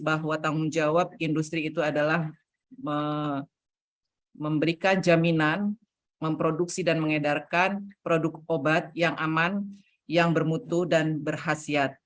bahwa tanggung jawab industri itu adalah memberikan jaminan memproduksi dan mengedarkan produk obat yang aman yang bermutu dan berhasil